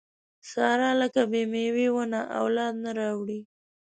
ساره لکه بې مېوې ونه اولاد نه راوړي.